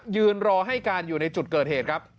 ยืนรอให้การอยู่ในจุดเกิดเหตุครับ